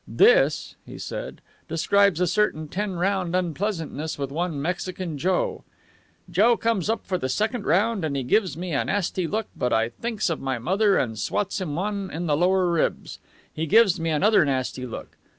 "This," he said, "describes a certain ten round unpleasantness with one Mexican Joe. 'Joe comes up for the second round and he gives me a nasty look, but I thinks of my mother and swats him one in the lower ribs. He gives me another nasty look.